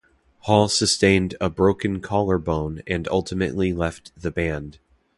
Hall sustained a broken collarbone and ultimately left the band.